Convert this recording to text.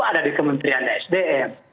ada di kementerian sdm